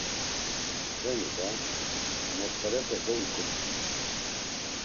Pxeni da, motferepe dovikumt̆itu.